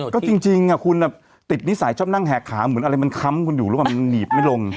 ก็จริงคุณติดนิสัยชอบนั่งแหกขาเหมือนอะไรมันค้ำคุณอยู่หรือเปล่ามันหนีบไม่ลง